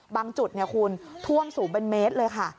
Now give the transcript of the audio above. บางจุดคุณท่วมสูงเป็นเมตรเลย